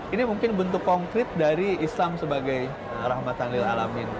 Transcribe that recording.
ini mungkin bentuk konkret dari islam sebagai rahmatan lillah alamin